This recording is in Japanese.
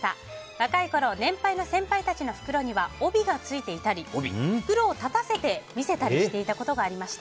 若いころ年配の先輩たちの袋には帯がついていたり袋を立たせて見せたりしていたことがありました。